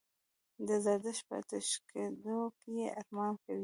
د زردشت په آتشکدو یې ارمان کوي.